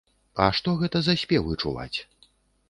А што гэта за спевы чуваць?